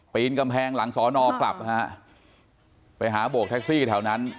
กำแพงหลังสอนอกลับฮะไปหาโบกแท็กซี่แถวนั้น